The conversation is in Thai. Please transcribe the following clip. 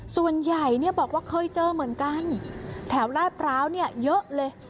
ส่วนใหญ่บอกว่าเคยเจอเหมือนกันแถวลาดพร้าวเนี่ยเยอะเลย